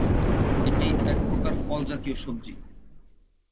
এটি এক প্রকার ফল জাতীয় সবজি।